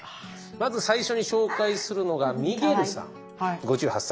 まず最初に紹介するのがミゲルさん５８歳。